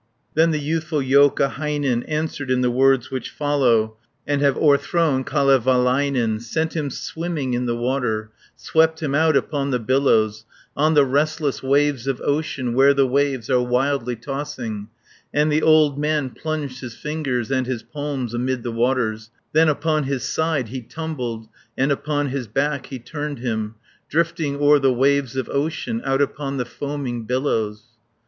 Then the youthful Joukahainen Answered in the words which follow "I have shot at Väinämöinen, And have o'erthrown Kalevalainen, Sent him swimming in the water, Swept him out upon the billows, 220 On the restless waves of ocean Where the waves are wildly tossing, And the old man plunged his fingers And his palms amid the waters, Then upon his side he tumbled, And upon his back he turned him, Drifting o'er the waves of ocean, Out upon the foaming billows."